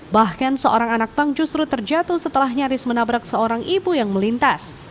bahkan seorang anak pang justru terjatuh setelah nyaris menabrak seorang ibu yang melintas